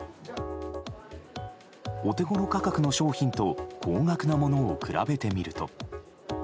お手ごろ価格の商品と高額なものを比べてみると。